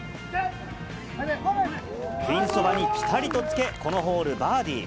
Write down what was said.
ピンそばにぴたりとつけ、このホール、バーディー。